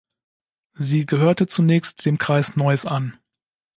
Sie gehörte zunächst dem Kreis Neuß an.